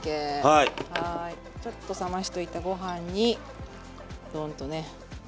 ちょっと冷ましておいたご飯にドンとね。